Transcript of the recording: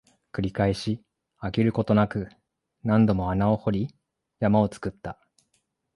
繰り返し、飽きることなく、何度も穴を掘り、山を作った